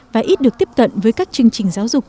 và ít được tiếp cận với các chương trình giáo dục